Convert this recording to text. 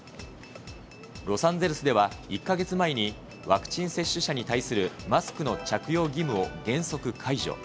ロサンゼルスでは、１か月前に、ワクチン接種者に対するマスクの着用義務を原則解除。